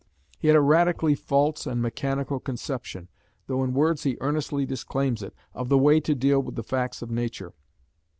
He had a radically false and mechanical conception, though in words he earnestly disclaims it, of the way to deal with the facts of nature.